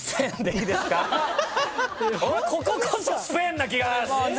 こここそスフェーンな気が。